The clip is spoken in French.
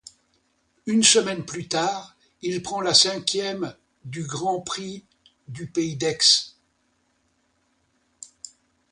Une semaine plus tard, il prend la cinquième du Grand Prix du Pays d'Aix.